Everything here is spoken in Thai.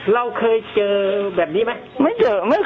เราเคยเจอแบบนี้ไหม